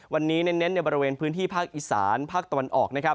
วันนี้เน้นในบริเวณพื้นที่ภาคอีสานภาคตะวันออกนะครับ